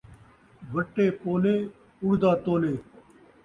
وٹے پولے ، اُڑدا تولے